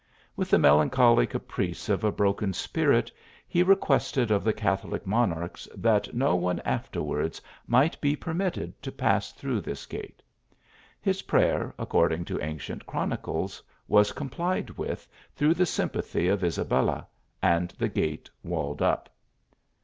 With the melancholy ca price of a broken spirit, he requested of the Catho lic monarchs that no one afterwards might be per mitted to pass through this gate. His prayer, according to ancient chronicles, was complied with, through the sympathy of Isabella, and the gate walled up.